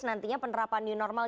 nantinya penerapan new normal